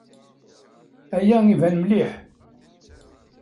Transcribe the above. Aya iban mliḥ.